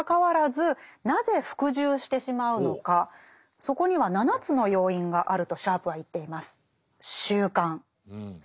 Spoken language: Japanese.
そこには７つの要因があるとシャープは言っています。